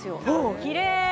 きれい！